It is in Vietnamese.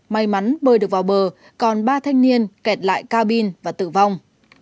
may mắn bơi được vào bờ còn ba thanh niên kẹt lại cabin và tử vong